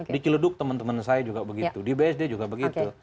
di ciledug teman teman saya juga begitu di bsd juga begitu